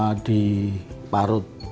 ini cuma diparut